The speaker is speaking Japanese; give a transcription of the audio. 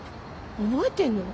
覚えてるの？